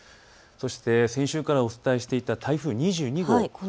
そして先週からお伝えしていた台風２２号。